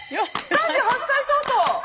３８歳相当。